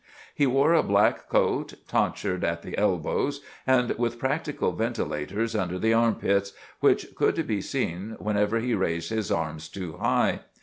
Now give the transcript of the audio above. He wore a black coat, tonsured at the elbows, and with practical ventilators under the armpits, which could be seen whenever he raised his arm too high.